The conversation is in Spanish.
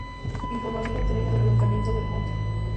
Información obtenida del Ayuntamiento de Almonte.